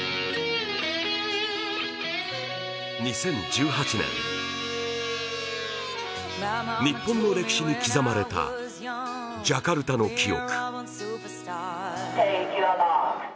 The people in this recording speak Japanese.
２０１８年、日本の歴史に刻まれたジャカルタの記憶。